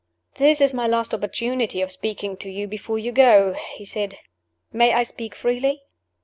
"This is my last opportunity of speaking to you before you go," he said. "May I speak freely?"